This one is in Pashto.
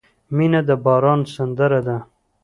• مینه د باران سندره ده.